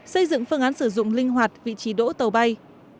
xây dựng phương án sử dụng linh hoạt vị trí đỗ tàu bay